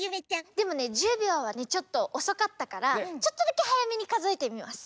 でもね１０秒はねちょっとおそかったからちょっとだけはやめにかぞえてみます。